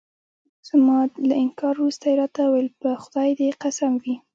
زما له انکار وروسته يې راته وویل: په خدای دې قسم وي.